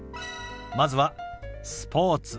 まずは「スポーツ」。